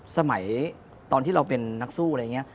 สมัยตอนที่เราเป็นนักสู้อะไรอย่างนี้